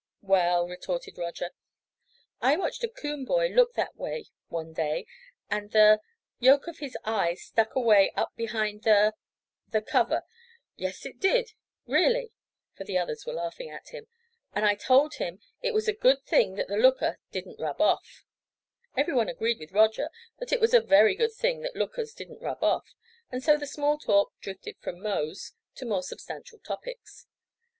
"Well," retorted Roger, "I watched a coon boy look that way one day and the—yolk of his eye stuck away up behind the—the cover. Yes it did—really," for the others were laughing at him. "And I told him it was a good thing that the looker didn't rub off." Everyone agreed with Roger that it was a very good thing that "lookers" didn't rub off, and so the small talk drifted from "Mose" to more substantial topics.